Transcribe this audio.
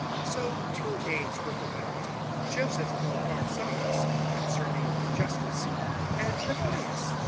001:023 So two names were proposed, Joseph called Bar sabbas and surnamed Justus and Matthias.